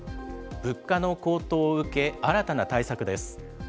物価の高騰を受け、新たな対策です。